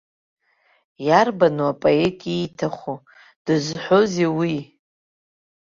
Иарбану апоет ииҭаху, дызҳәозеи уи?